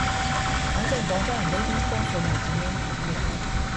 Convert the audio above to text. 反正廣州人呢邊多數係噉樣講嘅